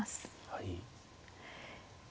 はい。